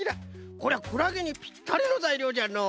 こりゃクラゲにピッタリのざいりょうじゃのう。